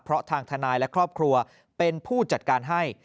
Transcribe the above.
เพราะทางทนายและครอบครัวเป็นผู้จัดการให้